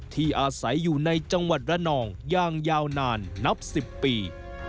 อาศัยอยู่ในจังหวัดระนองอย่างยาวนานนับ๑๐ปี